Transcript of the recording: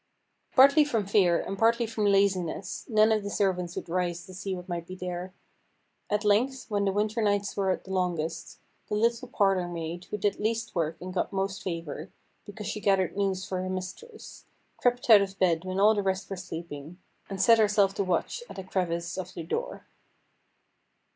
Partly from fear, and partly from laziness, none of the servants would rise to see what might be there. At length, when the winter nights were at the longest, the little parlour maid, who did least work and got most favour, because she gathered news for her mistress, crept out of bed when all the rest were sleeping, and set herself to watch at a crevice of the door.